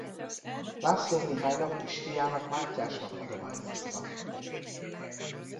László Mihálynak és fiának Mátyásnak adományozta.